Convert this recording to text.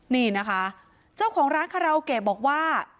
นี่นะคะเจ้าของร้านคาราโอเกะบอกว่า